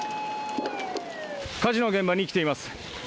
火事の現場に来ています。